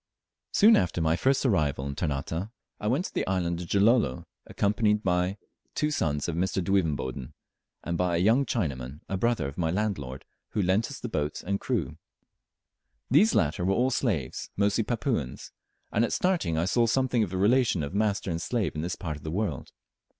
Soon after my first arrival in Ternate I went to the island of Gilolo, accompanied by two sons of Mr. Duivenboden, and by a young Chinaman, a brother of my landlord, who lent us the boat and crew. These latter were all slaves, mostly Papuans, and at starting I saw something of the relation of master and slave in this part of the world.